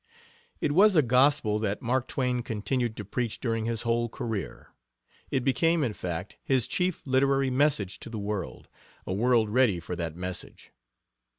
It was a gospel that Mark Twain continued to preach during his whole career. It became, in fact, his chief literary message to the world, a world ready for that message.